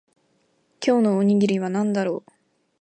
今日のおにぎりは何だろう